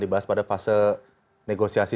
dibahas pada fase negosiasi